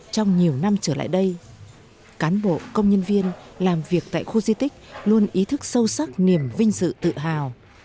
trong nhiều năm trở lại đây cán bộ công nhân viên làm việc tại khu di tích luôn ý thức sâu sắc niềm vinh dự tự hào